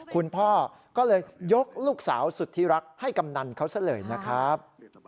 คุณพ่อก็เลยยกลูกสาวสุดที่รักให้กำนันเขาซะเลยนะครับ